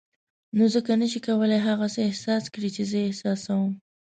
نو ځکه نه شې کولای هغه څه احساس کړې چې زه یې احساسوم.